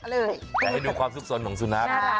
แล้วให้ดูความซุกซนของสุนัข